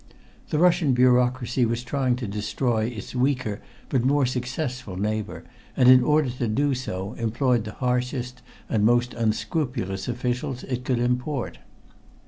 The Russian bureaucracy was trying to destroy its weaker but more successful neighbor, and in order to do so employed the harshest and most unscrupulous officials it could import.